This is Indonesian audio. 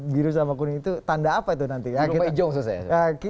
biru sama kuning itu tanda apa itu nanti